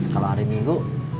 kalau hari minggu